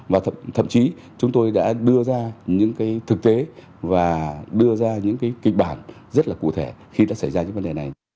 và thậm chí chúng tôi đã đưa ra những thực tế và đưa ra những cái kịch bản rất là cụ thể khi đã xảy ra những vấn đề này